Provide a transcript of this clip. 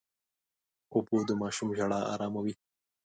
اوبه د ماشوم ژړا اراموي.